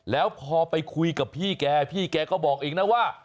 แล้วพอไปคุยกับพี่แกพี่แกก็บอกเองนะว่า